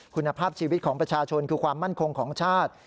คุณภาพชีวิตของประชาชนคือความมั่นคงของชาติ